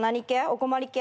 お困り系？